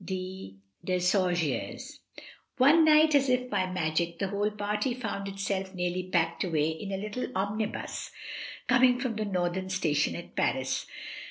"— Dbsaugiers, One night, as if by magic, the whole party found itself neatly packed away in a little omnibus com ing from the Northern Station at Paris.